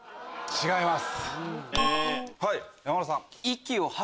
違います。